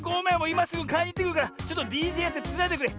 いますぐかいにいってくるからちょっとＤＪやってつないでてくれ。